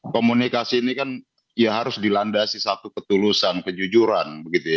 komunikasi ini kan ya harus dilandasi satu ketulusan kejujuran